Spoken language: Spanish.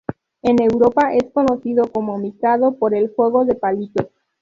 En Europa, es conocido como "Mikado", por el juego de palitos.